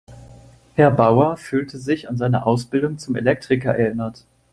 Herr Bauer fühlte sich an seine Ausbildung zum Elektriker erinnert.